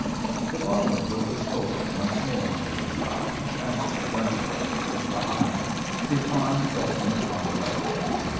The bar window was open once more in the little lounge, and Mr. Gunthorpe was behind, his arms resting upon the ledge.